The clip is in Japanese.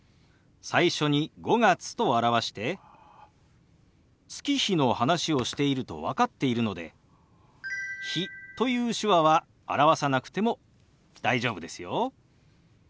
最初に「５月」と表して月日の話をしていると分かっているので「日」という手話は表さなくても大丈夫ですよ。